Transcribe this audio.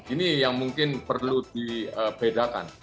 ini yang mungkin perlu dibedakan